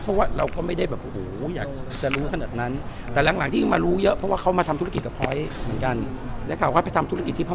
ไปทำธุรกิจทภมาสกันอะไรอย่างเงี้ยฮะบ้อยบ้อยทำด้วยได้ได้คุยกับพ่อไหมฮะ